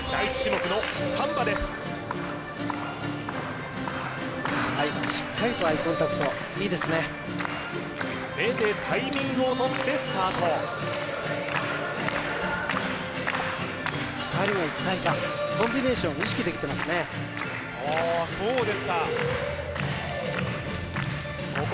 目でタイミングをとってスタート２人の一体感コンビネーションを意識できてますねああ